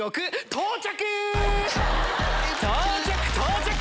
到着！